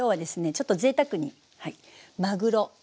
ちょっとぜいたくにまぐろサーモン。